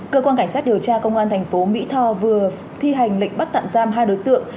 cơ quan cảnh sát điều tra công an thành phố mỹ tho vừa thi hành lệnh bắt tạm giam hai đối tượng